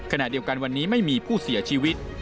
ขณะเดียวกันวันนี้ไม่มีผู้เสียชีวิต